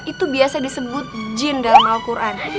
itu biasa disebut jin dalam al quran